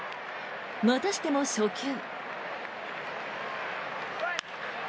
またしても初球。